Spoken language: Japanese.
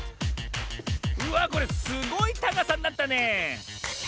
うわこれすごいたかさになったねえ。